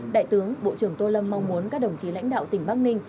đại tướng bộ trưởng tô lâm mong muốn các đồng chí lãnh đạo tỉnh bắc ninh